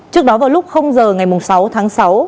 trước đó vào lúc giờ ngày sáu tháng sáu